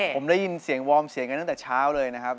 ผมได้ยินเสียงวอร์มเสียงกันตั้งแต่เช้าเลยนะครับ